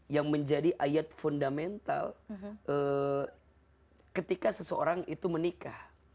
yang menjadi ayat fundamental ketika seseorang itu menikah